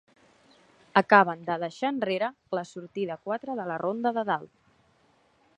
Acaben de deixar enrere la sortida quatre de la Ronda de Dalt.